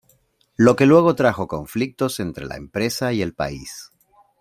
Lo que luego trajo conflictos entre la empresa y el pais.